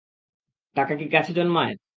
টাকা কি গাছে জন্মায়?